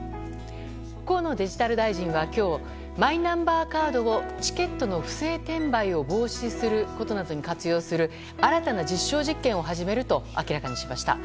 河野デジタル大臣は今日マイナンバーカードをチケットの不正転売を防止することなどに活用する新たな実証実験を始めると明らかにしました。